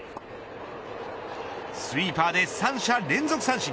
スイーパーで三者連続三振。